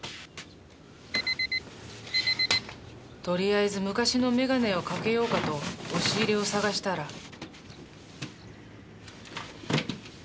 とりあえず昔のメガネをかけようかと押し入れを探したら。